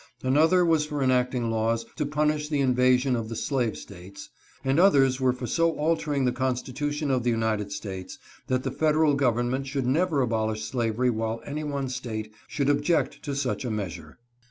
Another was for enacting laws to punish the invasion of the slave States, and others were for so alter ing the Constitution of the United States that the federal government should never abolish slavery while any one State should object to such a measure.